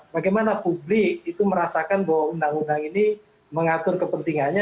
bagaimana publik itu merasakan bahwa undang undang ini mengatur kepentingannya